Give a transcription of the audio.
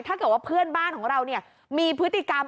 ถ้าเกิดว่าเพื่อนบ้านของเรามีพฤติกรรม